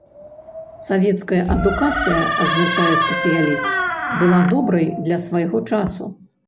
Савецкая адукацыя, адзначае спецыяліст, была добрай для свайго часу.